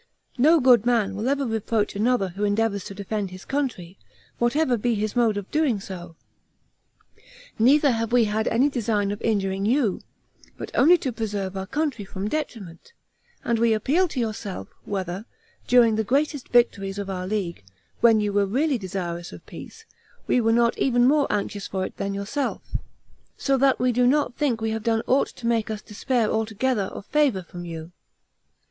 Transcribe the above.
No good man will ever reproach another who endeavors to defend his country, whatever be his mode of doing so; neither have we had any design of injuring you, but only to preserve our country from detriment; and we appeal to yourself, whether, during the greatest victories of our league, when you were really desirous of peace, we were not even more anxious for it than yourself; so that we do not think we have done aught to make us despair altogether of favor from you.